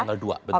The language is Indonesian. tanggal dua betul